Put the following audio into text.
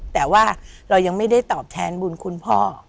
แต่ว่าเรายังไม่ได้ตอบแทนบุญคุณพ่อ